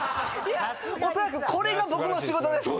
おそらくこれが僕の仕事です。